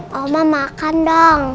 mama makan dong